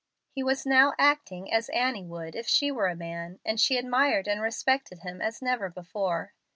He was now acting as Annie would if she were a man, and she admired and respected him as never before.